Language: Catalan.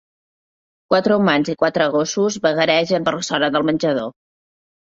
Quatre humans i quatre gossos vagaregen per la zona del menjador